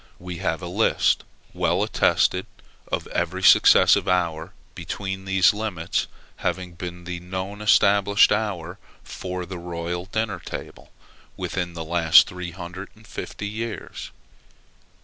We have a list, well attested, of every successive hour between these limits having been the known established hour for the royal dinner table within the last three hundred and fifty years.